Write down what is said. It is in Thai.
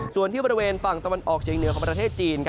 ส่วนที่บริเวณฝั่งตะวันออกเชียงเหนือของประเทศจีน